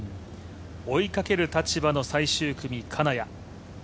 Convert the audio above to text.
追いかける立場の最終組、金谷。